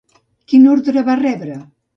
Quina ordre va rebre?